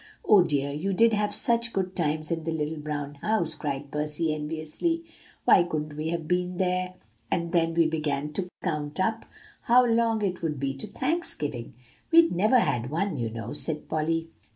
"Oh, dear, you did have such good times in The Little Brown House!" cried Percy enviously. "Why couldn't we have been there!" "And then we began to count up how long it would be to Thanksgiving. We'd never had one, you know," said Polly.